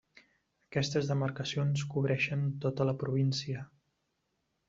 Aquestes demarcacions cobreixen tota la província.